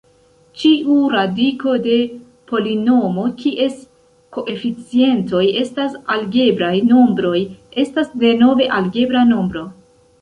Ĉiu radiko de polinomo kies koeficientoj estas algebraj nombroj estas denove algebra nombro.